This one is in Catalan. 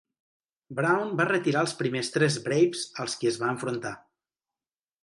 Brown va retirar els primers tres Braves als qui es enfrontar.